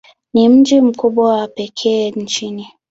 Ni mji mkubwa wa pekee nchini.